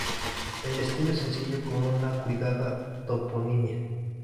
El estilo es sencillo con una cuidada toponimia.